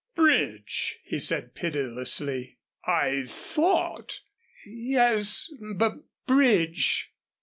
"Bridge!" he said, pitilessly, "I thought " "Yes bub bridge."